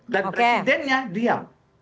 dan presidennya diam